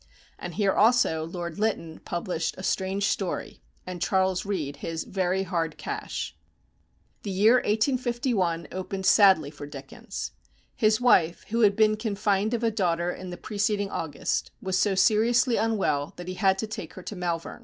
And here also Lord Lytton published "A Strange Story," and Charles Reade his "Very Hard Cash." The year 1851 opened sadly for Dickens. His wife, who had been confined of a daughter in the preceding August, was so seriously unwell that he had to take her to Malvern.